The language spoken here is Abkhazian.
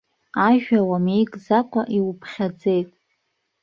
Ажәа уамеигӡакәа иуԥхьаӡеит.